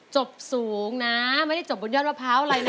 จบสูงนะไม่ได้จบบนยอดมะพร้าวอะไรนะ